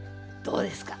どうですか？